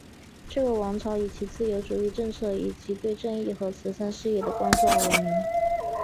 这个王朝以其自由主义政策以及对正义和慈善事业的关注而闻名。